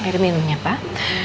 air minumnya pak